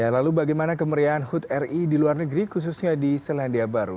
lalu bagaimana kemeriahan hut ri di luar negeri khususnya di selandia baru